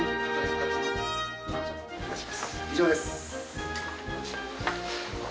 以上です。